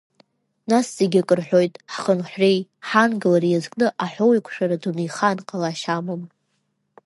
Нас зегьы акы рҳәоит, ҳхынҳәреи, ҳаангылареи иазкны аҳәоуеиқәшәара дунеихаан ҟалашьа амам.